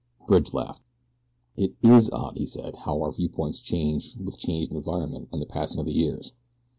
Bridge laughed. "It IS odd," he said, "how our viewpoints change with changed environment and the passing of the years.